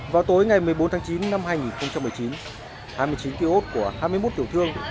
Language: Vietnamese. vào tối ngày một mươi bốn tháng chín năm hai nghìn một mươi chín hai mươi chín kiosk của hai mươi một tiểu thương